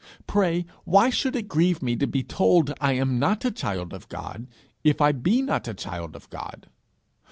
Pray, why should it grieve me to be told I am not a child of God, if I be not a child of God?